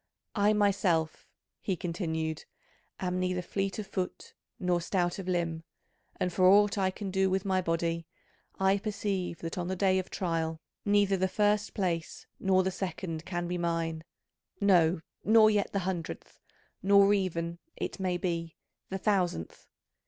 I myself," he continued, "am neither fleet of foot nor stout of limb, and for aught I can do with my body, I perceive that on the day of trial neither the first place nor the second can be mine, no, nor yet the hundredth, nor even, it may be, the thousandth.